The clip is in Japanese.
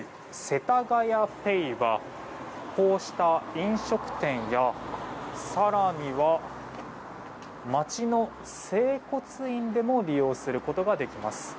せたがやＰａｙはこうした飲食店や更には、街の整骨院でも利用することができます。